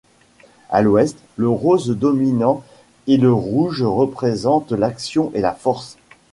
À l’ouest, le rose dominant et le rouge représentent l’action et la force.